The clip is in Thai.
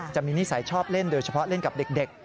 นิสัยชอบเล่นโดยเฉพาะเล่นกับเด็ก